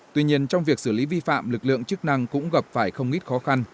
tuy nhiên trong việc xử lý vi phạm lực lượng chức năng cũng gặp phải không ít khó khăn